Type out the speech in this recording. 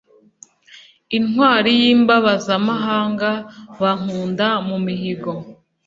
intwali y'imbabazamahanga bankunda mu mihigo.